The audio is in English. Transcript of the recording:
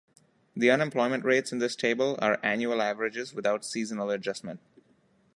The unemployment rates in this table are annual averages without seasonal adjustment.